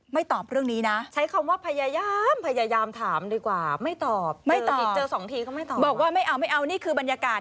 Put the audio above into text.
บอกว่าไม่เอาไม่เอานี่คือบรรยากาศ